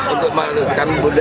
untuk melakukan budaya